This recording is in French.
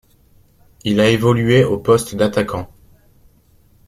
Il a évolué au poste d'attaquant.